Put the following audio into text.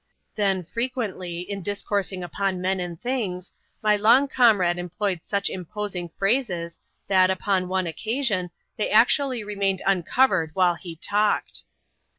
Then, frequently, in discoursing upon men and things, my long comrade employed such imposing phi ases, that, upon one occasion, they actually remained uncovered while he talked.